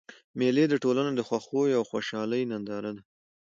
مېلې د ټولني د خوښیو او خوشحالۍ ننداره ده.